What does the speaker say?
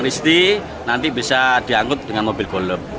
risti nanti bisa dianggut dengan mobil golem